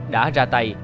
đã ra tay